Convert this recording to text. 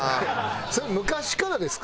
それ昔からですか？